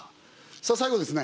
さあ最後ですね